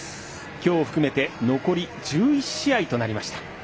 今日含めて残り１１試合となりました。